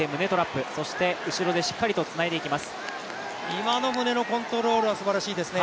今の胸のコントロールはすばらしいですね。